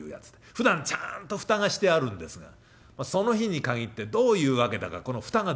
ふだんちゃんと蓋がしてあるんですがその日に限ってどういうわけだかこの蓋がずれてた。